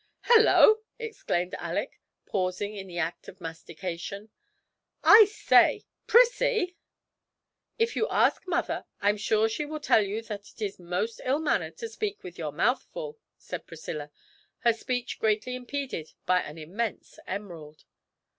'Hullo!' exclaimed Alick, pausing in the act of mastication, 'I say Prissie!' 'If you ask mother, I'm sure she will tell you that it is most ill mannered to speak with your mouth full,' said Priscilla, her speech greatly impeded by an immense emerald.